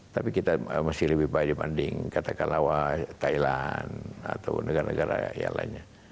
tapi kita masih lebih baik dibanding katakanlah thailand atau negara negara yang lainnya